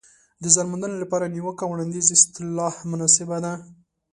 د ځان موندنې لپاره نیوکه او وړاندیز اصطلاح مناسبه ده.